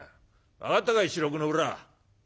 分かったかい四六の裏」。